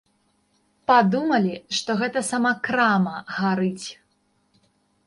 Падумалі, што гэта сама крама гарыць.